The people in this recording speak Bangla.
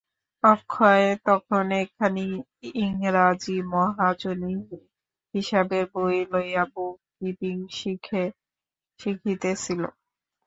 অক্ষয় তখন একখানি ইংরাজি মহাজনী হিসাবের বই লইয়া বুক-কীপিং শিখিতেছিল।